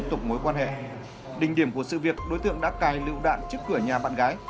trong một sự việc đối tượng đã cài lựu đạn trước cửa nhà bạn gái